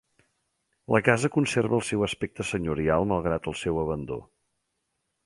La casa conserva el seu aspecte senyorial malgrat el seu abandó.